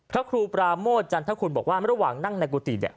พระครูปราโมทจันทคุณบอกว่าระหว่างนั่งในกุฏิเนี่ย